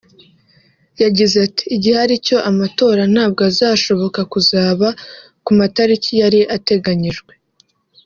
yagize ati “‘Igihari cyo amatora ntabwo azashoboka kuzaba ku matariki yari ateganyijwe